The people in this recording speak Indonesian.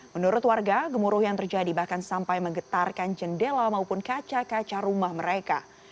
menurut warga gemuruh yang terjadi bahkan sampai menggetarkan jendela maupun kaca kaca rumah mereka